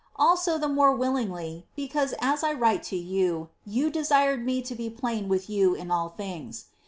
also the more williogly, becauM (as I write to yoa) fou desired me to be plain with jou m all things.